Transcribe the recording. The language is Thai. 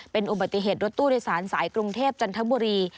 เป็นอุบัติเหตุรถตู้โดยสารสายกรุงเทพจันทบุรี